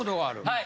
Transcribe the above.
はい。